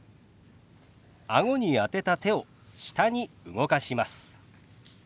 あごに当てた手を下に動かします。